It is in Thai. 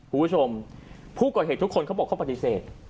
คุณผู้ชมผู้ก่อเหตุทุกคนเขาบอกเขาปฏิเสธ